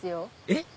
えっ？